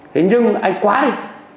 thế nhưng anh quá đi